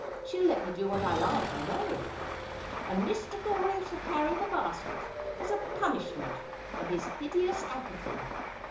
She'll let me do what I like I know. And Mr. Goring shall carry the basket, as a punish ment for his hideous apathy.